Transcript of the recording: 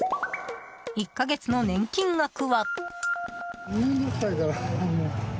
１か月の年金額は。